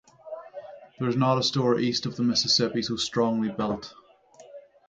There's not a store east of the Mississippi so strongly built.